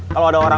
kalau ada objects